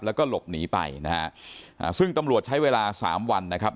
แล้วก็หลบหนีไปนะฮะอ่าซึ่งตำรวจใช้เวลาสามวันนะครับ